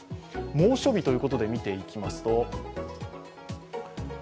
猛暑日ということで見ていきます。